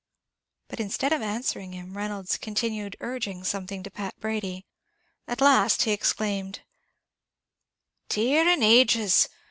But instead of answering him Reynolds continued urging something to Pat Brady; at last he exclaimed, "Tear and ages!